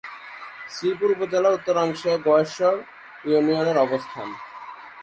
শ্রীপুর উপজেলা উত্তরাংশে গয়েশপুর ইউনিয়নের অবস্থান।